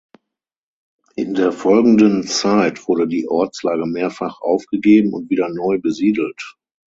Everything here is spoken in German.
In der folgenden Zeit wurde die Ortslage mehrfach aufgegeben und wieder neu besiedelt.